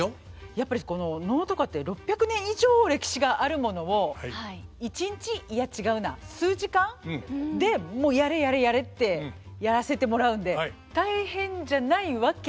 やっぱり能とかって６００年以上歴史があるものを一日いや違うな数時間でもう「やれやれやれ」ってやらせてもらうんでハハハハ。